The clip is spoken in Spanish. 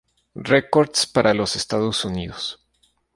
Records para los Estados Unidos.